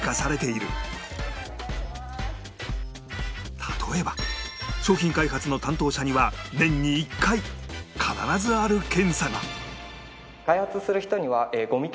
例えば商品開発の担当者には年に１回必ずある検査がをしてもらっています。